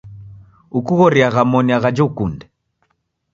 Ukughoriaa moni ghaja ukunde.